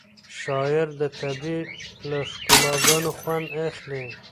شاعر د طبیعت له ښکلاګانو خوند اخلي.